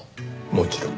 もちろん。